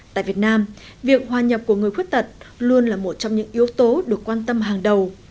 tại việt nam việc hòa nhập của người khuyết tật luôn là một trong những yếu tố được quan tâm hàng đầu